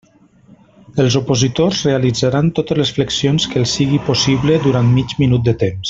Els opositors realitzaran totes les flexions que els sigui possible durant mig minut de temps.